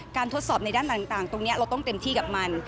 ทดสอบในด้านต่างตรงนี้เราต้องเต็มที่กับมัน